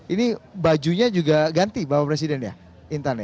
ini bajunya juga ganti bapak presiden ya intan ya